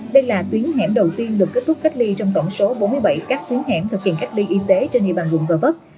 đây là tuyến hẻm đầu tiên được kết thúc cách ly trong tổng số bốn mươi bảy các chuyến hẻm thực hiện cách ly y tế trên địa bàn quận gò vấp